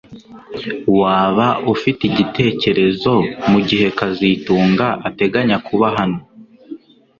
Waba ufite igitekerezo mugihe kazitunga ateganya kuba hano